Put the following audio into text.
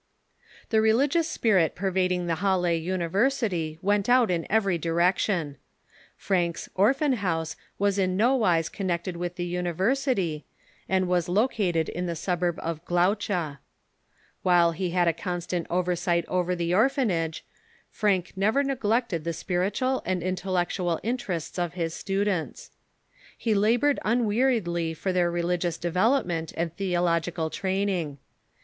The religious spirit pervading the Ilalle University went out in every direction. Francke's Orphan house was in no wise connected with the university, and was lo M„Ho"^Mc°J„ c t'ated in the suburb of Glaucha. While he had a Modern Missions constant oversight over the orphanage, Francke never neglected the spiritual and intellectual interests of his students. He labored unweariedly for their religious devel opment and theological training.